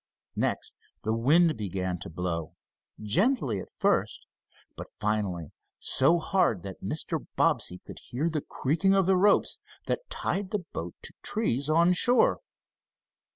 Next the wind began to blow, gently at first, but finally so hard that Mr. Bobbsey could hear the creaking of the ropes that tied the boat to trees on shore.